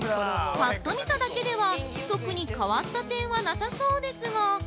◆ぱっと見ただけでは特に変わった点はなさそうですが。